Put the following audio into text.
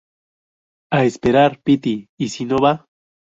a esperar? piti, ¿ y si no va?